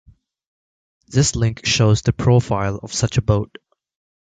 This link shows the profile of such a boat.